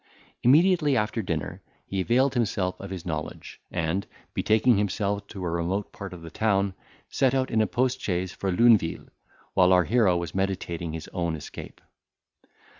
Immediately after dinner, he availed himself of his knowledge, and, betaking himself to a remote part of the town, set out in a post chaise for Luneville, while our hero was meditating his own escape.